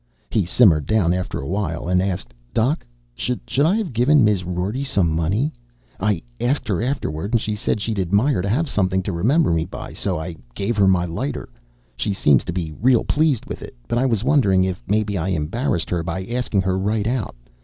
He simmered down after a while and asked: "Doc, should I've given Miz Rorty some money? I asked her afterward and she said she'd admire to have something to remember me by, so I gave her my lighter. She seem' to be real pleased with it. But I was wondering if maybe I embarrassed her by asking her right out.